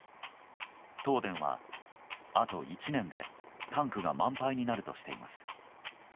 東電は、あと１年でタンクが満杯になるとしています。